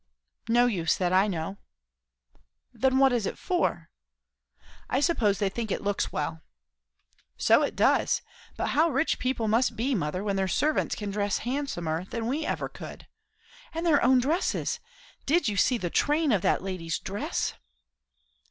"No use, that I know." "Then what is it for?" "I suppose they think it looks well." "So it does. But how rich people must be, mother, when their servants can dress handsomer than we ever could. And their own dresses! Did you see the train of that lady's dress?"